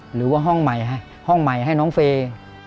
หรือว่าห้องใหม่ให้น้องเฟย์